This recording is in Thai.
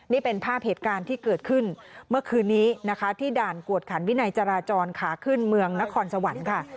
นี่เป็นภาพเหตุการณ์ที่เกิดขึ้นเมื่อคืนนี้นะคะที่ด่านกวดขันวินัยจราจรขาขึ้นเมืองนครสวรรค์ค่ะ